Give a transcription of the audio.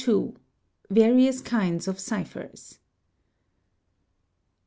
Various kinds of ciphers.